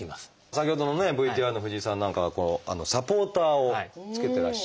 先ほどのねＶＴＲの藤井さんなんかはサポーターを着けてらっしゃるって。